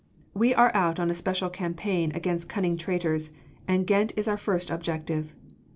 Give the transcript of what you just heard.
We are out on a special campaign against cunning traitors, and Ghent is our first objective.